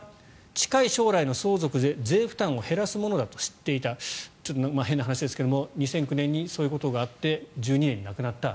近い将来の相続で税負担を減らすものだと知っていたちょっと変な話ですが２００９年にそういうことがあって１２年に亡くなった。